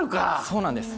そうなんです。